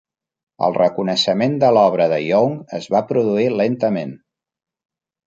El reconeixement de l'obra de Young es va produir lentament.